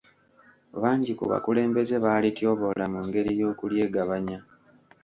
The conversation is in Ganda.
Bangi ku bakulembeze baalityoboola mu ngeri y’okulyegabanya.